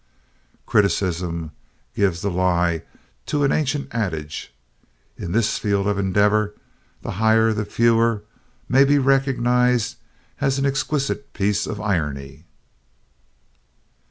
Criticism gives the lie to an ancient adage. In this field of endeavor "The higher the fewer" may be recognized as an exquisite piece of irony.